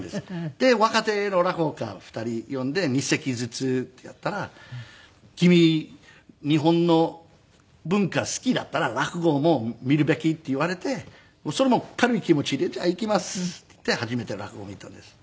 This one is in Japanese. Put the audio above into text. で若手の落語家２人呼んで２席ずつってやったら「君日本の文化好きだったら落語も見るべき」って言われてそれもう軽い気持ちで「じゃあ行きます」って言って初めて落語見たんです。